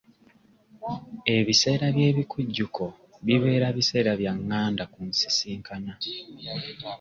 Ebiseera by'ebikujjuko bibeera biseera bya nganda ku sisinkana.